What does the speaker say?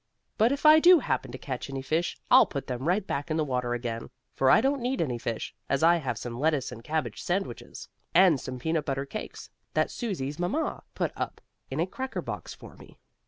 But if I do happen to catch any fish I'll put them right back in the water again. For I don't need any fish, as I have some lettuce and cabbage sandwiches, and some peanut butter cakes, that Susie's mamma put up in a cracker box for me."